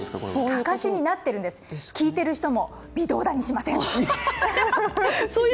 かかしになっているんです、聞いている人も微動だにしません。